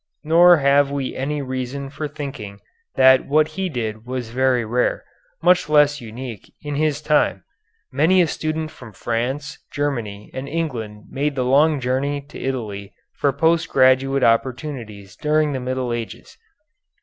Nor have we any reason for thinking that what he did was very rare, much less unique, in his time. Many a student from France, Germany, and England made the long journey to Italy for post graduate opportunities during the later Middle Ages.